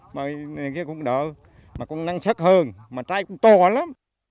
mà cái cũng đỡ mà cũng năng suất hơn mà tay cũng to lắm